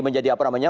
menjadi apa namanya